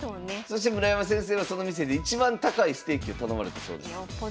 そして村山先生はその店でいちばん高いステーキを頼まれたそうです。